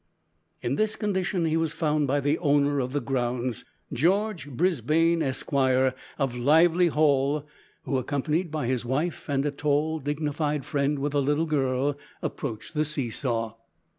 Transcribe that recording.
In this condition he was found by the owner of the grounds, George Brisbane, Esquire, of Lively Hall, who, accompanied by his wife, and a tall, dignified friend with a little girl, approached the see saw.